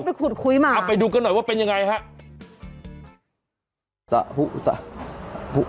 เอาไปดูกันหน่อยว่าเป็นยังไงฮะ